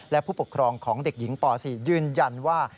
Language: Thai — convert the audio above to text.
และผู้ปกครองของเด็กหญิงป๔ยืนยันว่า